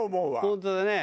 本当だね。